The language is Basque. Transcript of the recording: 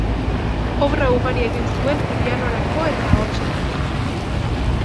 Obra ugari egin zuen pianorako eta ahotserako.